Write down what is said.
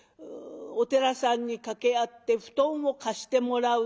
お寺さんに掛け合って布団を貸してもらう。